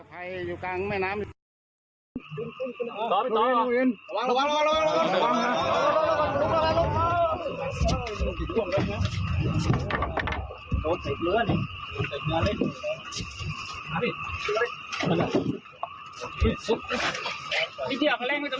ใครอยู่กลางแม่น้ำ